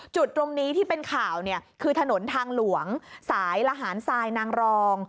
จุดตรงนี้ที่เป็นข่าวเนี่ยคือถนนทางหลวงสายละหารทรายนางรอง